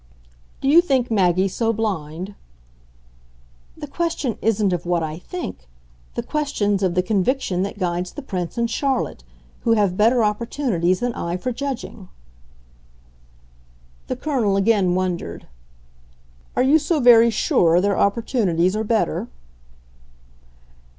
"Do you think Maggie so blind?" "The question isn't of what I think. The question's of the conviction that guides the Prince and Charlotte who have better opportunities than I for judging." The Colonel again wondered. "Are you so very sure their opportunities are better?"